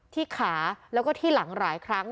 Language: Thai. ที่ขาแล้วก็ที่หลังหลายครั้ง